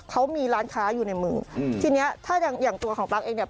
เขามีร้านค้าอยู่ในมือทีนี้ถ้าอย่างตัวของปลั๊กเองเนี่ย